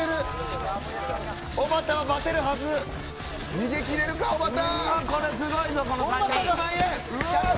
逃げ切れるか、おばた。